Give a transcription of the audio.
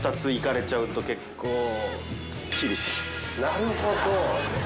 なるほど。